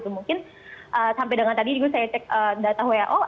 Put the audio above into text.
mungkin sampai dengan tadi juga saya cek data who